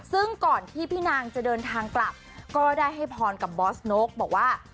ซึ่งก่อนที่พี่นางจะเดินทางกลับก็ได้ให้พรกับบอสนกบอกว่า